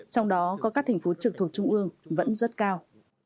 trong đó có các thành phố trực thuộc trung ương vẫn rất cao